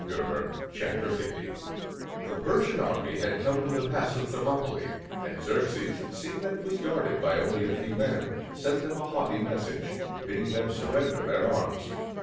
LEONIDAS AT THERMOPYLÆ The Persian army had come to the Pass of Thermopylæ; and Xerxes, seeing that it was guarded by only a few men, sent them a haughty message, bidding them surrender their arms.